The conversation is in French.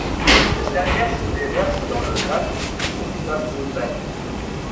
Cette dernière se déverse dans le lac Ostaboningue.